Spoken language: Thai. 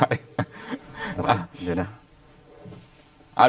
ไม่เป็นไร